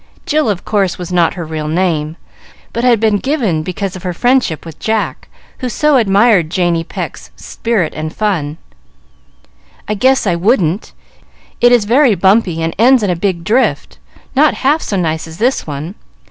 Jill, of course, was not her real name, but had been given because of her friendship with Jack, who so admired Janey Pecq's spirit and fun. "I guess I wouldn't. It is very bumpy and ends in a big drift; not half so nice as this one.